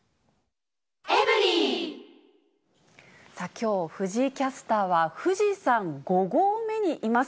きょう、藤井キャスターは、富士山５合目にいます。